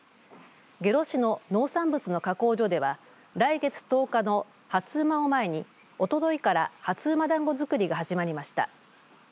下呂市の農産物の加工所では来月１０日の初午を前におとといから初午だんご作りが始まりました。